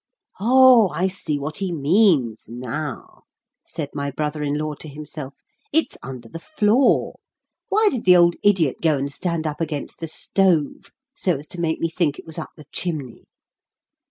"Oh, I see what he means now," said my brother in law to himself; "it's under the floor. Why did the old idiot go and stand up against the stove, so as to make me think it was up the chimney?"